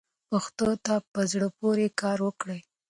پښتو ته په زړه پورې کار وکړئ.